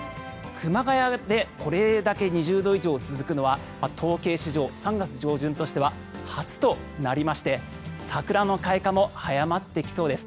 熊谷でこれだけ２０度以上が続くのは統計史上、３月上旬としては初となりまして桜の開花も早まってきそうです。